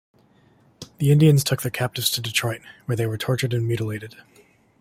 The Indians took their captives to Detroit, where they were tortured and mutilated.